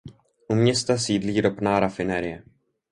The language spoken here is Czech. U města sídlí ropná rafinerie.